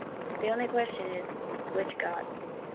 The only question is, Which god?